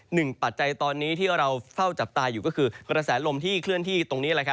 ปัจจัยตอนนี้ที่เราเฝ้าจับตาอยู่ก็คือกระแสลมที่เคลื่อนที่ตรงนี้